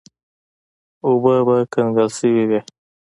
اوبه به کنګل شوې وې.